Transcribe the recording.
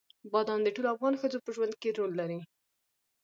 بادام د ټولو افغان ښځو په ژوند کې رول لري.